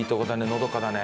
のどかだね。